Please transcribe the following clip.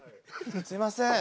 すいません。